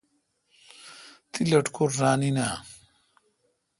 تی لٹکور ران این آں؟